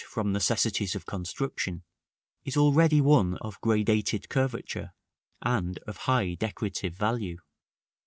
from necessities of construction, is already one of gradated curvature, and of high decorative value.